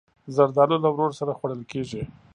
زردالو له ورور سره خوړل کېږي.